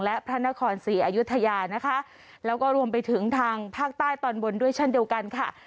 และพระนครศรีอยุธยานะคะแล้วก็รวมไปถึงทางภาคใต้ตอนบนด้วยเช่นเดียวกันค่ะ